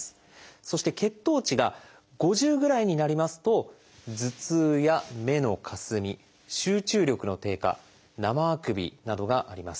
そして血糖値が５０ぐらいになりますと頭痛や目のかすみ集中力の低下生あくびなどがあります。